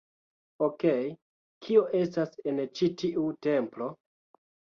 Okej, kio estas en ĉi tiu templo?